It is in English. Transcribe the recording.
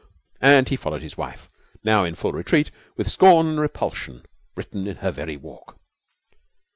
And he followed his wife, now in full retreat, with scorn and repulsion written in her very walk.